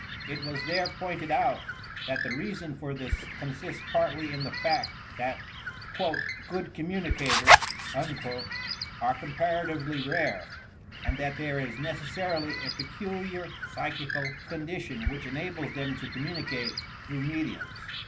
It was there x>ointed out that the reason for this consists partly in the fact that ''good communicators" are comparaitivdy rare, and that there is necessarily a peculiar psychical condi tion which enables them to communicate through mediums.